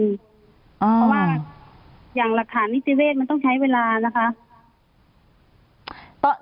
เพราะว่าอย่างหลักฐานนิติเวศมันต้องใช้เวลานะคะ